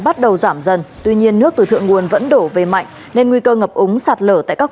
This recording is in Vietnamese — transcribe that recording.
bắt đầu giảm dần tuy nhiên nước từ thượng nguồn vẫn đổ về mạnh nên nguy cơ ngập úng sạt lở tại các